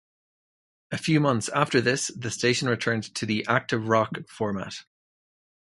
A few months after this, the station returned to the Active Rock format.